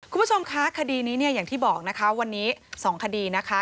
คุณผู้ชมคะคดีนี้เนี่ยอย่างที่บอกนะคะวันนี้๒คดีนะคะ